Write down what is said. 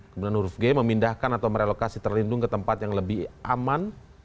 kemudian huruf g memindahkan atau merelokasi terlindung ke tempat yang lebih aman